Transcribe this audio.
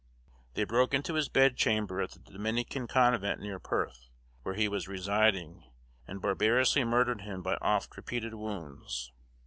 They broke into his bedchamber at the Dominican convent near Perth, where he was residing, and barbarously murdered him by oft repeated wounds.